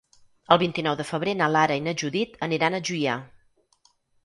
El vint-i-nou de febrer na Lara i na Judit aniran a Juià.